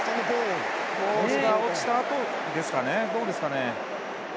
ボールが落ちたあとですかね。